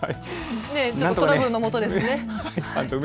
ちょっとトラブルのもとですね。